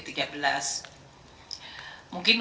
mungkin untuk menurut anda